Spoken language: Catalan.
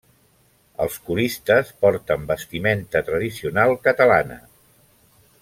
Els coristes porten vestimenta tradicional catalana.